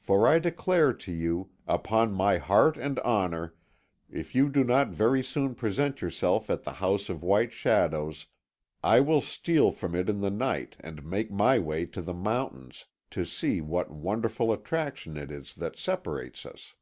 For I declare to you, upon my heart and honour, if you do not very soon present yourself at the House of White Shadows, I will steal from it in the night and make my way to the mountains to see what wonderful attraction it is that separates us.